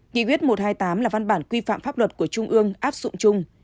nghị quyết một trăm hai mươi tám là văn bản quy phạm pháp luật của trung ương áp dụng chung